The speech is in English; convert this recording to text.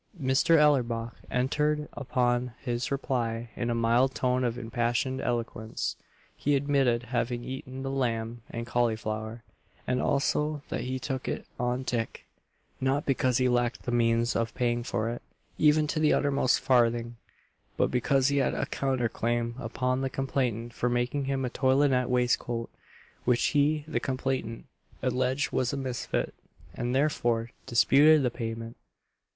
Mr. Ellerbach entered upon his reply in a mild tone of impassioned eloquence; he admitted having eaten the lamb and cauliflower, and also that he took it on tick not because he lacked the means of paying for it, even to the uttermost farthing; but because he had a counter claim upon the complainant for making him a toilinet waistcoat, which he, the complainant, alleged was a misfit, and therefore disputed the payment.